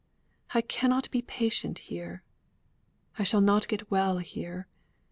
I cannot be patient here. I shall not get well here.